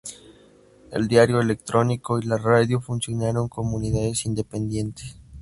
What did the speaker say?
El diario electrónico y la radio funcionaron como unidades independientes.